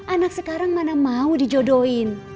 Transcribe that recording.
anak sekarang mana mau dijodohin